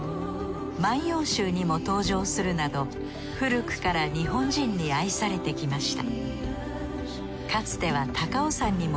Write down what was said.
『万葉集』にも登場するなど古くから日本人に愛されてきました。